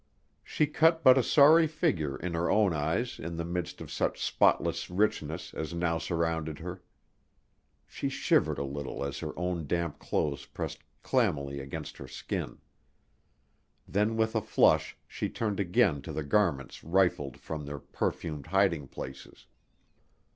She cut but a sorry figure in her own eyes in the midst of such spotless richness as now surrounded her. She shivered a little as her own damp clothes pressed clammily against her skin. Then with a flush she turned again to the garments rifled from their perfumed hiding places.